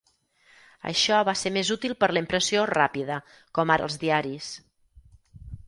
Això va ser més útil per la impressió "ràpida", com ara els diaris.